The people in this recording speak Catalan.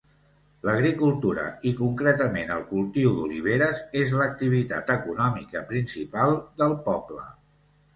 L'agricultura, i concretament el cultiu d'oliveres, és la activitat econòmica principal del poble.